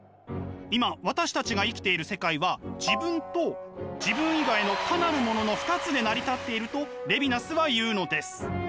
今私たちが生きている世界は自分と自分以外の他なるものの２つで成り立っているとレヴィナスは言うのです。